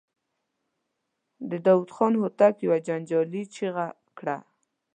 د داوود خان هوتک يوه جنګيالې چيغه کړه.